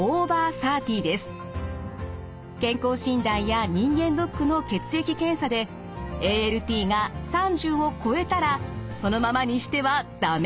健康診断や人間ドックの血液検査でＡＬＴが３０を超えたらそのままにしては駄目！